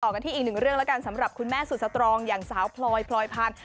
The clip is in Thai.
กันที่อีกหนึ่งเรื่องแล้วกันสำหรับคุณแม่สุดสตรองอย่างสาวพลอยพลอยพันธุ์